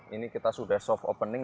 ini kita sudah soft opening